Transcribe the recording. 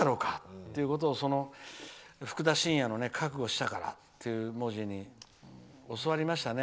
ってことをふくだしんやの「覚悟したから」という文字に教わりましたね。